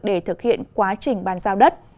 để thực hiện quá trình bàn giao đất